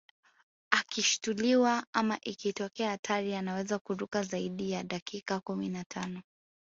Akishituliwa ama ikitokea hatari anaweza kuruka zaidi ya dakika kumi na tano